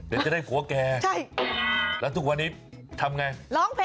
เว้ยจะได้ผัวแกครับ